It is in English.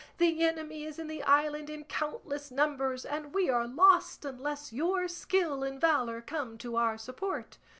The enemy is in the island in countless numbers, and we are lost unless your skill and valour come to our support."